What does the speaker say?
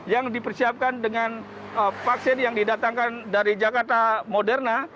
yang dipersiapkan dengan vaksin yang didatangkan dari jakarta moderna